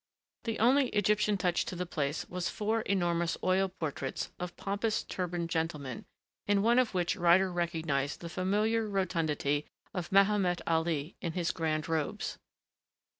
The only Egyptian touch to the place was four enormous oil portraits of pompous turbaned gentlemen, in one of whom Ryder recognized the familiar rotundity of Mahomet Ali in his grand robes.